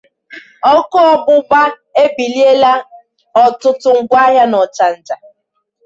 Ọkụ Ọgbụgba Ebibiela Ọtụtụ Ngwaahịa n'Ọchanja